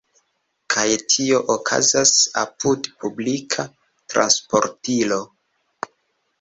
Kaj tio okazas apud publika transportilo.